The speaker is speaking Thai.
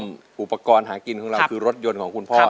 อุปกรณ์หากินของเราคือรถยนต์ของคุณพ่อ